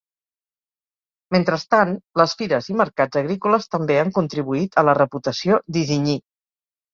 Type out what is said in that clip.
Mentrestant, les fires i mercats agrícoles també han contribuït a la reputació d'Isigny.